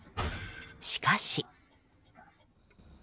しかし。